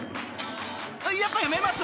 ［やっぱやめます。